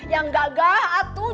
yang gagah atuh